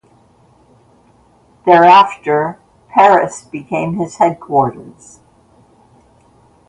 Thereafter, Paris became his headquarters.